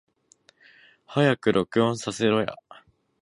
早く録音させろや